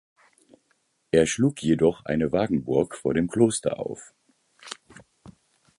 Er schlug jedoch eine Wagenburg vor dem Kloster auf.